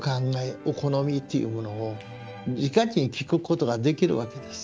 お好みっていうものをじかに聞くことができるわけです。